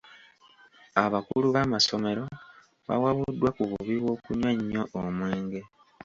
Abakulu b'amasomero bawabuddwa ku bubi bw'okunywa ennyo omwenge.